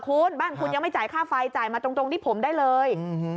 คุณบ้านคุณยังไม่จ่ายค่าไฟจ่ายมาตรงที่ผมได้เลย